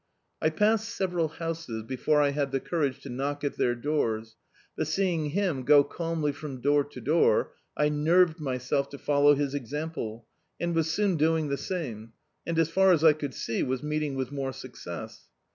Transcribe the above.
I passed several houses before I had the courage to knock at their doors, but seeing him go calmly from door to door, I nerved myself to follow his example, and was soon doing the same, and, as far as I could see, was meeting with more success.